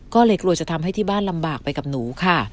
ก็เลยกลัวจะทำให้ที่บ้านลำบากไปกับหนูค่ะ